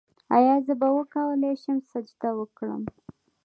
ایا زه به وکولی شم سجده وکړم؟